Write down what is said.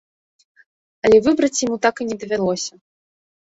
Але выбраць яму так і не давялося.